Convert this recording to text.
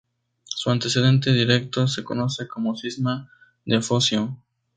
Su antecedente directo se conoce como Cisma de Focio.